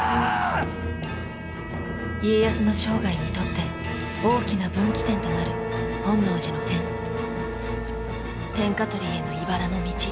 家康の生涯にとって大きな分岐点となる本能寺の変天下取りへのいばらの道